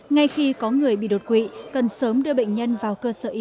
ngay khi có người bị đột quỵ cần sớm đưa bệnh nhân vào cơ sở y tế gần nhất